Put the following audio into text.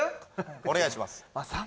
お願いします